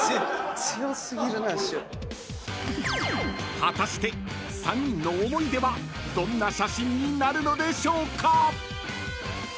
［果たして３人の思い出はどんな写真になるのでしょうか？］